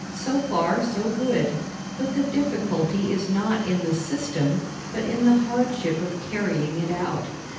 So far so good; but the difficulty is not in the system, but in the hardship of carrying it out.